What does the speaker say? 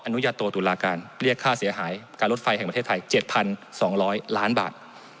นุญาโตตุลาการเรียกค่าเสียหายการรถไฟแห่งประเทศไทย๗๒๐๐ล้านบาท